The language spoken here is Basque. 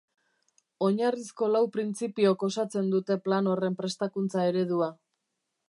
Oinarrizko lau printzipiok osatzen dute plan horren prestakuntza-eredua.